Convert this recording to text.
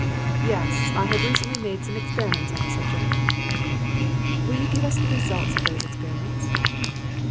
"Yes. I have recently made some experiments on the subject." "Will you give us the results of those experiments?"